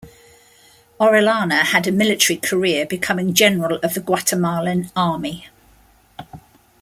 Orellana had a military career becoming General of the Guatemalan Army.